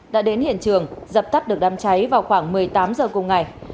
đã đến hiện trường dập tắt được đam trái vào khoảng một mươi tám h cùng ngày